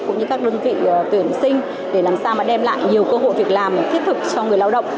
cũng như các đơn vị tuyển sinh để làm sao mà đem lại nhiều cơ hội việc làm thiết thực cho người lao động